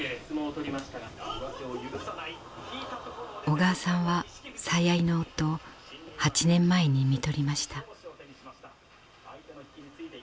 小川さんは最愛の夫を８年前に看取りました。